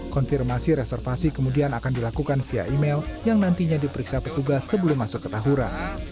konfirmasi reservasi kemudian akan dilakukan via email yang nantinya diperiksa petugas sebelum masuk ke tahura